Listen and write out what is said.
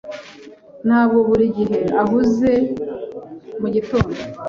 Ntabwo buri gihe ahuze mugitondo.